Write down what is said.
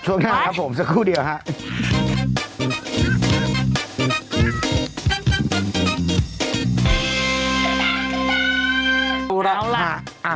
ชวนหน้าครับผมสักครู่เดียวครับกลับมา